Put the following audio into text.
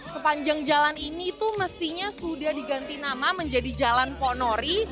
sepanjang jalan ini itu mestinya sudah diganti nama menjadi jalan ponori